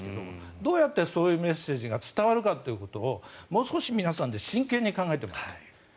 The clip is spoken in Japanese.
どうやってそういうメッセージが伝わるかということをもう少し皆さんで真剣に考えてもらいたい。